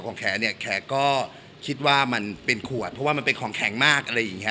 ของทิชชัมมะเป็นอะไรฮะแขก